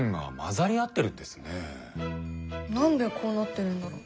何でこうなってるんだろう？